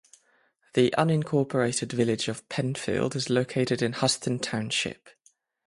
The unincorporated village of Penfield is located in Huston Township.